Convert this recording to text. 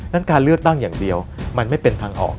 การเลือกตั้งอย่างเดียวมันไม่เป็นทางออก